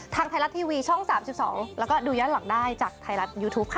ทางไทยรัฐทีวีช่อง๓๒แล้วก็ดูย้อนหลังได้จากไทยรัฐยูทูปค่ะ